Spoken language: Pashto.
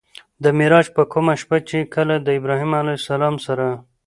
د معراج په کومه شپه چې کله د ابراهيم عليه السلام سره